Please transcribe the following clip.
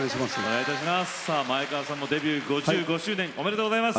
さあ前川さんもデビュー５５周年おめでとうございます。